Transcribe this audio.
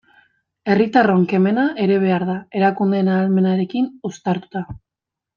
Herritarron kemena ere behar da, erakundeen ahalmenarekin uztartuta.